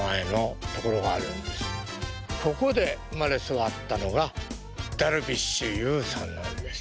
そこで生まれ育ったのがダルビッシュ有さんなんです。